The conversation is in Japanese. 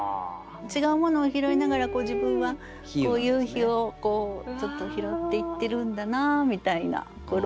違うものを拾いながら自分は夕陽をちょっと拾っていってるんだなみたいな。